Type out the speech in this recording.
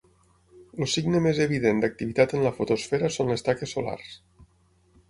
El signe més evident d'activitat en la fotosfera són les taques solars.